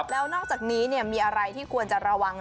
แล้วนอกจากนี้มีอะไรที่ควรจะระวัง